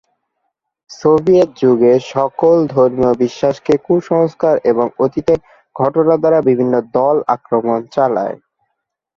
Soviet যুগে, সকল ধর্মীয় বিশ্বাসকে কুসংস্কার এবং অতীতের ঘটনা দ্বারা বিভিন্ন দল আক্রমণ চালায়।